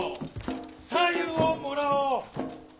白湯をもらおう！